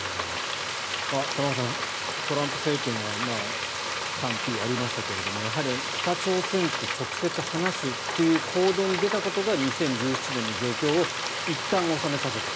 玉川さん、トランプ政権は賛否ありましたけれどもやはり北朝鮮と直接話すという行動に出たことが２０１７年の状況をいったん収めさせた。